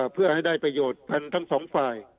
เพื่อให้ได้ประโยชน์กันทั้งสองฝ่าย